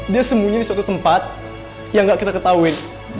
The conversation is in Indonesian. dia sembunyi di suatu tempat yang gak kita ketahuin